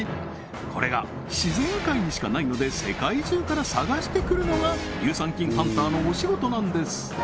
これが自然界にしかないので世界中から探してくるのが乳酸菌ハンターのお仕事なんです